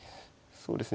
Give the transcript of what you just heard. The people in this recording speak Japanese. そうですね。